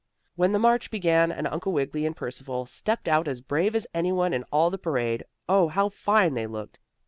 Then the march began, and Uncle Wiggily and Percival stepped out as brave as anyone in all the parade. Oh, how fine they looked!